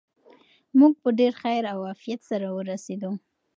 موږ په ډېر خیر او عافیت سره ورسېدو.